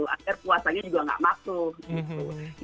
akhirnya puasanya juga nggak masuk